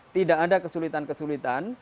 tidak ada kesulitan kesulitan